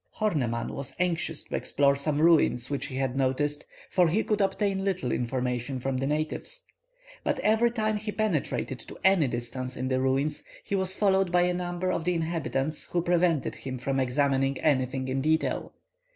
Horneman was anxious to explore some ruins which he had noticed, for he could obtain little information from the natives. But every time he penetrated to any distance in the ruins, he was followed by a number of the inhabitants, who prevented him from examining anything in detail.